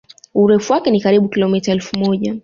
Urefu wake ni karibu kilomIta elfu moja